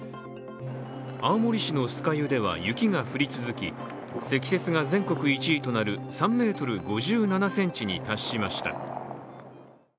青森市の酸ヶ湯では、雪が降り続き積雪が全国１位となる３ｍ５７ｃｍに達しました。